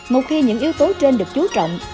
một khi những ưu tố trên được chú trọng